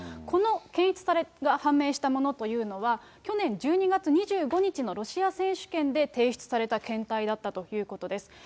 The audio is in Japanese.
この検出が判明されたものというのは、去年１２月２５日のロシア選手権で提出された検体だったということです。